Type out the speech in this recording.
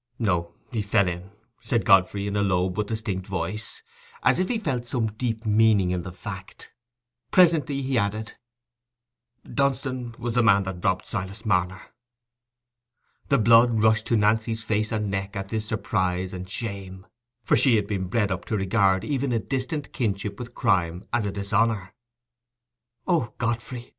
"No, he fell in," said Godfrey, in a low but distinct voice, as if he felt some deep meaning in the fact. Presently he added: "Dunstan was the man that robbed Silas Marner." The blood rushed to Nancy's face and neck at this surprise and shame, for she had been bred up to regard even a distant kinship with crime as a dishonour. "O Godfrey!"